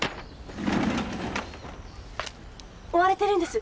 追われてるんです。